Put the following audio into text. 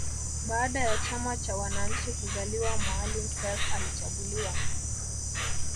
Baada ya chama cha wananchi kuzaliwa Maalim Self alichaguliwa